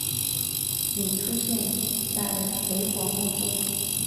仅出现在雷凰梦中。